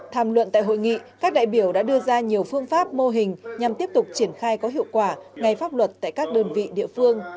tham luận tại hội nghị các đại biểu đã đưa ra nhiều phương pháp mô hình nhằm tiếp tục triển khai có hiệu quả ngày pháp luật tại các đơn vị địa phương